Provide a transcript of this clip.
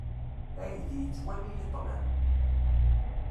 Aydi yettwali i ṭṭlam.